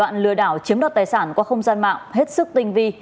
đoạn lừa đảo chiếm đoạt tài sản qua không gian mạng hết sức tinh vi